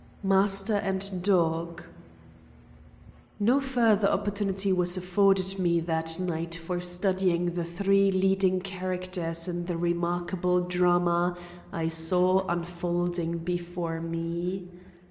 MASTER AND DOG No further opportunity was afforded me that night for studying the three leading characters in the remarkable drama I saw unfolding before me.